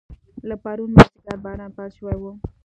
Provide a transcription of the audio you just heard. له پرون مازیګر باران پیل شوی و.